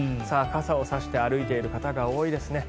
傘を差して歩いている方が多いですね。